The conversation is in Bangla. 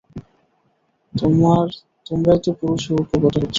তোমরাই তো পুরুষে উপগত হচ্ছ।